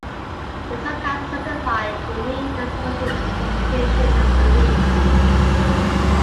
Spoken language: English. It is sometimes simplified to mean a social justification of belief.